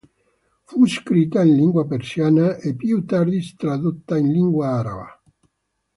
Fu scritta in lingua persiana e più tardi tradotta in lingua araba.